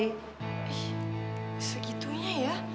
ih segitunya ya